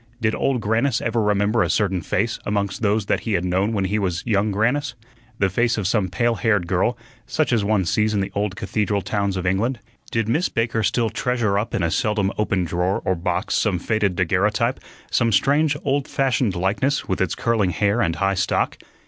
Did Old Grannis ever remember a certain face amongst those that he had known when he was young Grannis the face of some pale haired girl, such as one sees in the old cathedral towns of England? Did Miss Baker still treasure up in a seldom opened drawer or box some faded daguerreotype, some strange old fashioned likeness, with its curling hair and high stock?